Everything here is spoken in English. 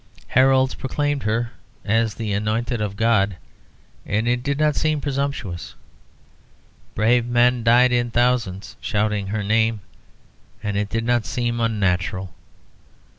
Heralds proclaimed her as the anointed of God, and it did not seem presumptuous. Brave men died in thousands shouting her name, and it did not seem unnatural.